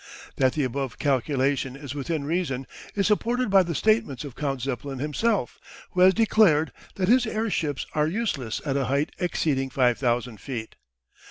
That the above calculation is within reason is supported by the statements of Count Zeppelin himself, who has declared that his airships are useless at a height exceeding 5,000 feet.